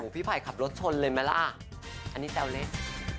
พี่ไผ่ขับรถชนเลยไหมล่ะอันนี้แซวเล็ก